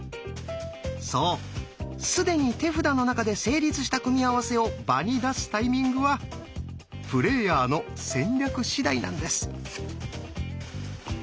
そう既に手札の中で成立した組み合わせを場に出すタイミングはプレーヤーの戦略次第なんです。